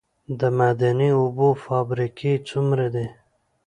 د معدني اوبو فابریکې څومره دي؟